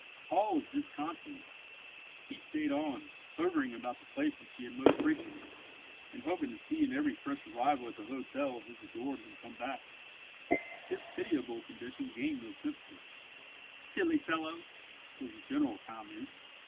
Paul was disconsolate. He stayed on, hovering about the places she had most frequented, and hoping to see in every fresh arrival at the hotel his adored one come back. His pitiable condition gained no sympathy. "Silly fellow!" was the general comment.